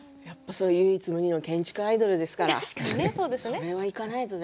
唯一無二の建築アイドルですからそれは行かないとね。